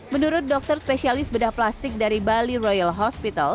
menurut dokter spesialis bedah plastik dari bali royal hospital